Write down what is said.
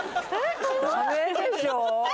ダメでしょう。